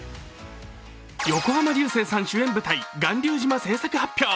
横浜流星さん主演舞台「巌流島」製作発表。